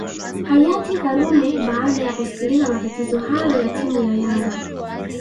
hayati karume baada ya kusikiliza matatizo hayo ya timu ya yanga